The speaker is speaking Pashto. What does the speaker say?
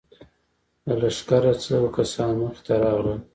له لښکره څو کسان مخې ته راغلل.